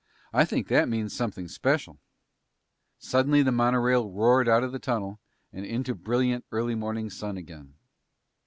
I think that means something special." Suddenly the monorail roared out of the tunnel and into brilliant early morning sun again.